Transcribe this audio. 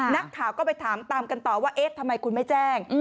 นักข่าวก็ไปถามตามกันต่อว่าเอ๊ะทำไมคุณไม่แจ้ง